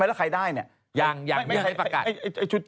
แล้วใครได้เนี่ยยังไม่ให้ประกาศ